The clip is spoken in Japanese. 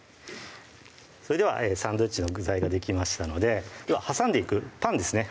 それではサンドイッチの具材ができましたのででは挟んでいくパンですね